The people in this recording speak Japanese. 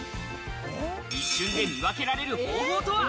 一瞬で見分けられる方法とは？